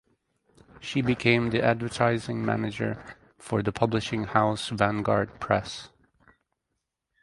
She became the advertising manager for the publishing house Vanguard Press.